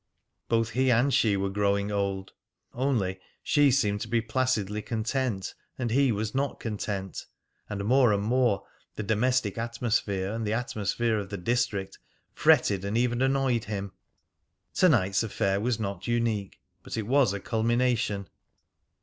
Both he and she were growing old. Only, she seemed to be placidly content, and he was not content. And more and more the domestic atmosphere and the atmosphere of the district fretted and even annoyed him. To night's affair was not unique, but it was a culmination.